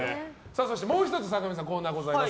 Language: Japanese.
そしてもう１つ坂上さん、コーナーございます。